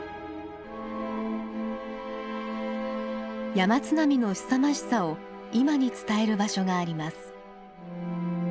山津波のすさまじさを今に伝える場所があります。